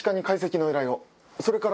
それから。